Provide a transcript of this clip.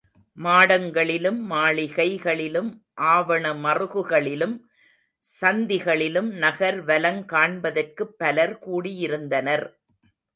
மாடங்களிலும் மாளிகைகளிலும் ஆவணமறுகுகளிலும் சந்திகளிலும் நகர் வலங் காண்பதற்குப் பலர் கூடியிருந்தனர்.